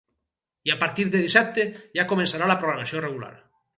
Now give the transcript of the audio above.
I a partir de dissabte ja començarà la programació regular.